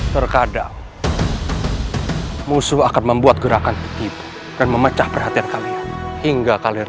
terkadang musuh akan membuat gerakan titip dan memecah perhatian kalian hingga kalian